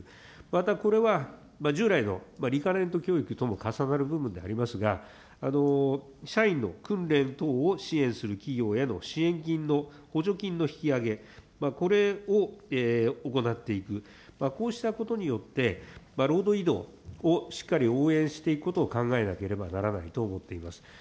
またこれは、従来のリカレント教育とも重なる部分になりますが、社員の訓練等を支援する企業への支援金の補助金の引き上げ、これを行っていく、こうしたことによって、労働移動をしっかり応援していくことを考えなければならないと思っています。